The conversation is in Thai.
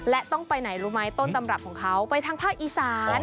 และต้องไปไหนรู้ไหมต้นตำรับของเขาไปทางภาคอีสาน